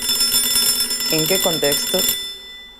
En que contexto?